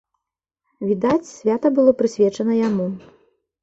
Відаць, свята было прысвечана яму.